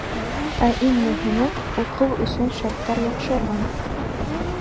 Ә иң мөһиме — уҡыу өсөн шарттар яҡшырған.